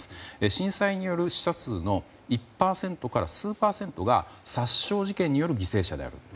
震災による死者数の１％から数パーセントが殺傷事件による犠牲者であると。